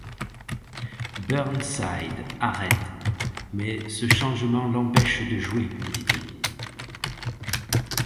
Burnside arrête, mais ce changement l'empêche de jouer, dit-il.